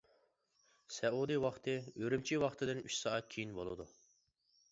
سەئۇدى ۋاقتى ئۈرۈمچى ۋاقتىدىن ئۈچ سائەت كېيىن بولىدۇ.